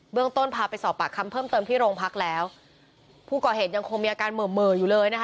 ต้นพาไปสอบปากคำเพิ่มเติมที่โรงพักแล้วผู้ก่อเหตุยังคงมีอาการเหม่อเหม่ออยู่เลยนะคะ